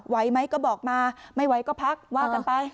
ไหวไหมก็บอกมาไม่ไหวก็พักว่ากันไป